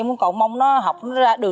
em cũng cầu mong nó học ra được